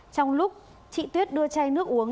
trong lúc chị tuyết đưa chai nước uống